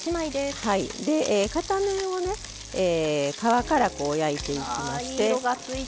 片面を皮から焼いていきまして。